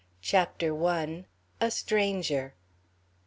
CHAPTER I. A STRANGER.